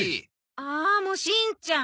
ああもうしんちゃん